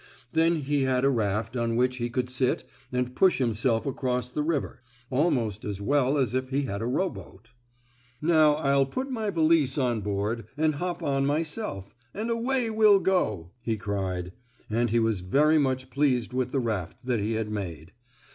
Then he had a raft on which he could sit and push himself across the river, almost as well as if he had a rowboat. "Now, I'll put my valise on board, and hop on myself, and away we'll go!" he cried, and he was very much pleased with the raft that he had made.